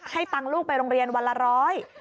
ตังค์ลูกไปโรงเรียนวันละร้อย